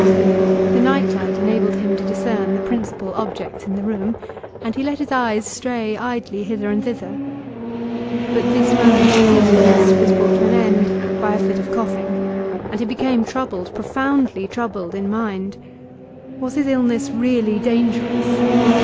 The night light enabled him to discern the principal objects in the room, and he let his eyes stray idly hither and thither. But this moment of peacefulness was brought to an end by a fit of coughing, and he became troubled, profoundly troubled, in mind. Was his illness really dangerous?